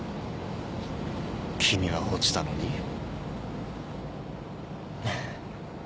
君は落ちたのに？